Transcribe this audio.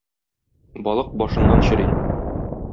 Балык башыннан чери.